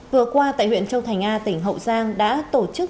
vừa qua tại huyện châu thành a tỉnh hậu giang đã tổ chức